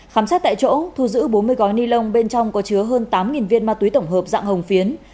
khám xét tại chỗ thu giữ bốn mươi gói ni lông bên trong có chứa hơn tám viên ma túy tổng hợp dạng hồng phiến